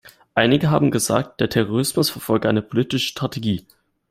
Einige haben gesagt, der Terrorismus verfolge eine politische Strategie.